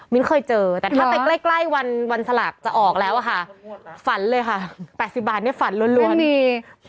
เคยเจอแต่ถ้าไปใกล้วันสลากจะออกแล้วอะค่ะฝันเลยค่ะ๘๐บาทเนี่ยฝันล้วนมี